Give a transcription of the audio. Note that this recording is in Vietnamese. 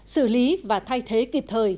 xử lý và thay thế kịp thời